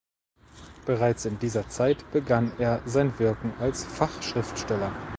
Bereits in dieser Zeit begann er sein Wirken als Fachschriftsteller.